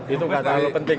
itu gak terlalu penting